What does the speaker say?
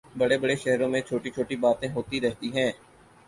بڑے بڑے شہروں میں چھوٹی چھوٹی باتیں ہوتی رہتی ہیں